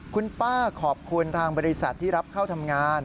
คุณป้าขอบคุณทางบริษัทที่รับเข้าทำงาน